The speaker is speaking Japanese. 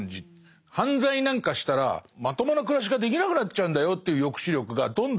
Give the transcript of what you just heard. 犯罪なんかしたらまともな暮らしができなくなっちゃうんだよという抑止力がどんどん。